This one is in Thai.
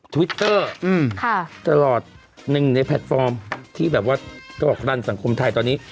ทวิตเตอร์ตลอดหนึ่งในแพลตฟอร์มที่แบบว่าจะบอกรันสังคมไทยตอนนี้